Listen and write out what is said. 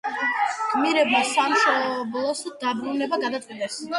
გმირებმა სამშობლოში დაბრუნება გადაწყვიტეს.